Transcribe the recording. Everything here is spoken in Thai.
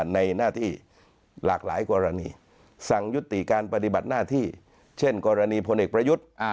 ในหน้าที่หลากหลายกรณีสั่งยุติการปฏิบัติหน้าที่เช่นกรณีพลเอกประยุทธ์